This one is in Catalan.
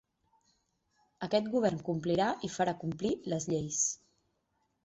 Aquest govern complirà i farà complir les lleis.